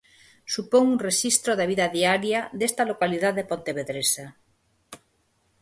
Supón un rexistro da vida diaria desta localidade pontevedresa.